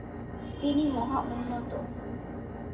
তিনি মহা উন্নত।